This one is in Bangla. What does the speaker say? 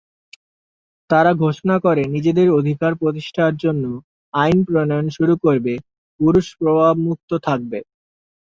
তারা ঘোষণা করে নিজেদের অধিকার প্রতিষ্ঠার জন্য আইন প্রণয়ন শুরু করবে, পুরুষ প্রভাব মুক্ত থাকবে।